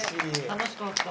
楽しかった。